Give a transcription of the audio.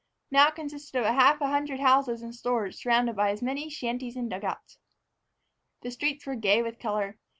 Now it consisted of half a hundred houses and stores surrounded by as many shanties and dugouts. The streets were gay with color.